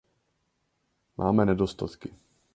Máme nedostatky.